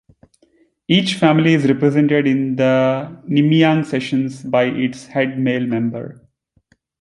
Each family is represented in the Nimiang sessions by its head male member.